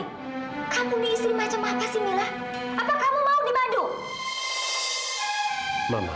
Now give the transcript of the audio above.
kamu ini isi macam apa sih mila apa kamu mau dimadu